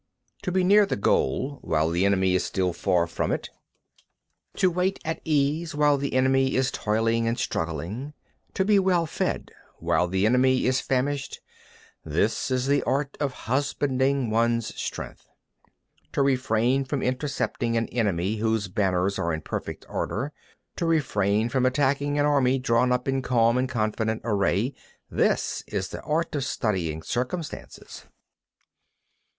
31. To be near the goal while the enemy is still far from it, to wait at ease while the enemy is toiling and struggling, to be well fed while the enemy is famished:—this is the art of husbanding one's strength. 32. To refrain from intercepting an enemy whose banners are in perfect order, to refrain from attacking an army drawn up in calm and confident array:—this is the art of studying circumstances.